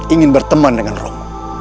ingin berteman dengan romo